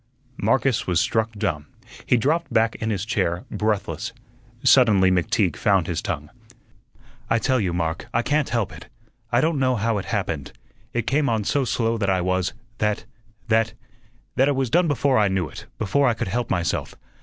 Marcus was struck dumb; he dropped back in his chair breathless. Suddenly McTeague found his tongue. "I tell you, Mark, I can't help it. I don't know how it happened. It came on so slow that I was, that that that it was done before I knew it, before I could help myself.